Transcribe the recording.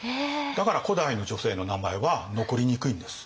だから古代の女性の名前は残りにくいんです。